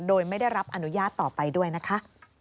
โดยไม่ได้รับอนุญาตต่อไปด้วยนะคะ